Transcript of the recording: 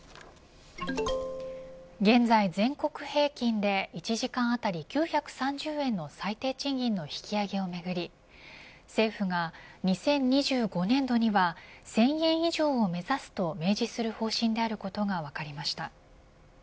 現在全国平均で１時間あたり９３０円の最低賃金の引き上げをめぐり政府が２０２５年度には１０００円以上を目指すと明示する方針であることが分かりました。